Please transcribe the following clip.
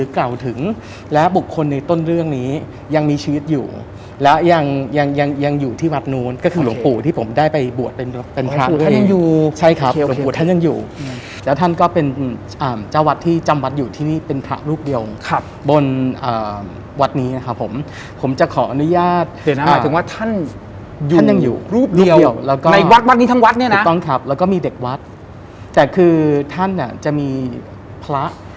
ชีวิตอยู่และยังอยู่ที่วัดนู้นก็คือหลวงปู่ที่ผมได้ไปบวชเป็นพระหลวงปู่ท่านยังอยู่ใช่ครับหลวงปู่ท่านยังอยู่แล้วท่านก็เป็นเจ้าวัดที่จำวัดอยู่ที่นี่เป็นพระรูปเดียวบนวัดนี้ผมจะขออนุญาตเห็นนะหมายถึงว่าท่านอยู่รูปเดียวในวัดนี้ทั้งวัดนี้นะถูกต้องครับแล้วก็มีเด็กวัดแต่คือท่านจะมีพระ